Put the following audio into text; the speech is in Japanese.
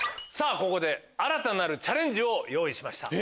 ここで新たなるチャレンジを用意しました。